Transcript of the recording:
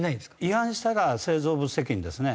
違反したら製造物責任ですね。